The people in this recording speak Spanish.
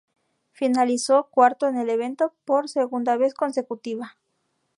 Finalizó cuarto en el evento por segunda vez consecutiva.